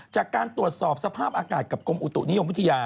จากการตรวจสอบสภาพอากาศกับกรมอุตุนิยมวิทยา